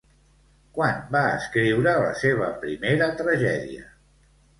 Quan va escriure la seva primera tragèdia?